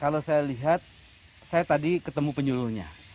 kalau saya lihat saya tadi ketemu penyuluhnya